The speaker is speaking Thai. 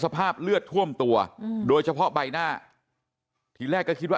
สภาพเลือดท่วมตัวโดยเฉพาะใบหน้าทีแรกก็คิดว่า